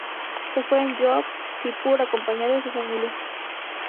Se fue en Yom Kippur, acompañado de su familia.